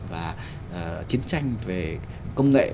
và chiến tranh về công nghệ